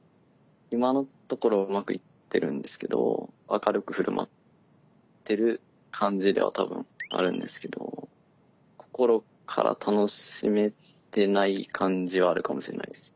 今のところはうまくいってるんですけど明るくふるまってる感じでは多分あるんですけど心から楽しめてない感じはあるかもしれないです。